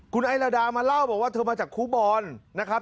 คุณไอลาดามาเล่าบอกว่าเธอมาจากครูบอลนะครับ